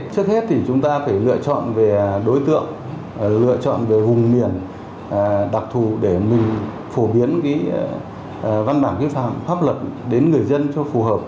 trước hết thì chúng ta phải lựa chọn về đối tượng lựa chọn về vùng miền đặc thù để mình phổ biến văn bản quy phạm pháp luật đến người dân cho phù hợp